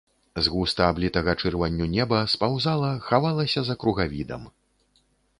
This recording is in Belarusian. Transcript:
З густа аблітага чырванню неба спаўзала, хавалася за кругавідам.